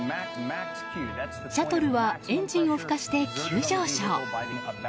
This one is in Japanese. シャトルはエンジンをふかして急上昇。